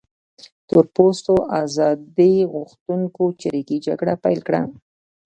تور پوستو ازادي غوښتونکو چریکي جګړه پیل کړه.